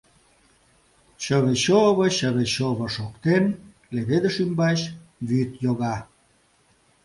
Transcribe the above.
Чыве-чово, чыве-чово шоктен, леведыш ӱмбач вӱд йога.